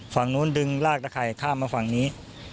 ฝั่งนู้นดึงลากตะไข่ข้ามมาฝั่งนี้